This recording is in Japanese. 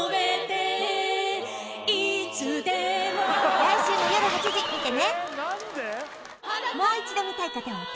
来週もよる８時見てね